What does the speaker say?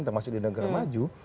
termasuk di negara maju